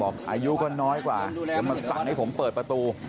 คุณแหละ